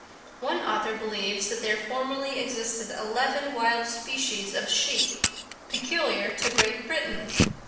One author believes that there formerly existed eleven wild species of sheep peculiar to Great Britain!